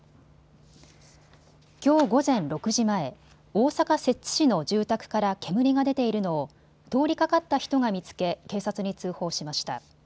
きょう午前６時前、大阪摂津市の住宅から煙が出ているのを通りかかった人が見つけ警察に通報しました。